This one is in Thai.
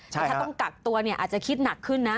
แต่ถ้าต้องกักตัวเนี่ยอาจจะคิดหนักขึ้นนะ